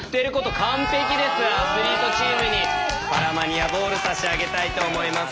アスリートチームにパラマニアボール差し上げたいと思います。